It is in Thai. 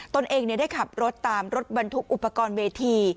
ตนเองได้ขับรถตามรถบรรทุกอุปกรณ์เวที